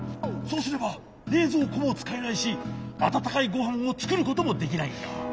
そうすればれいぞうこもつかえないしあたたかいごはんをつくることもできないんだ。